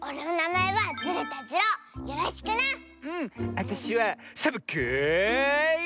あたしはサボ子よ！